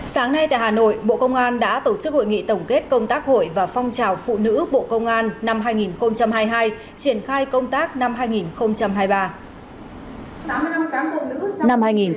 sáng nay tại hà nội bộ công an đã tổ chức hội nghị tổng kết công tác hội và phong trào phụ nữ bộ công an năm hai nghìn hai mươi hai triển khai công tác năm hai nghìn hai mươi ba